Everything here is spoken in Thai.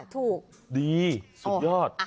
ถูกดีสุดยอด